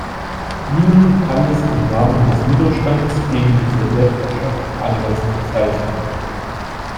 Niemand kann es im Namen des Widerstands gegen die Sowjetherrschaft anders bezeichnen.